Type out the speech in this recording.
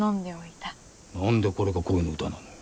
何でこれが恋の歌なのよ。